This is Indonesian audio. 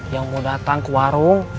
yang mau datang ke warung